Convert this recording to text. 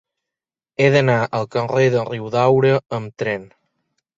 He d'anar al carrer de Riudaura amb tren.